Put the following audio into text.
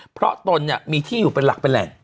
เพราะตนเนี่ยมีที่อยู่เป็นหลักเป็นแหล่ง